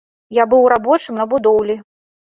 Я быў рабочым на будоўлі.